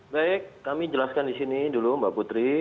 baik kami jelaskan di sini dulu mbak putri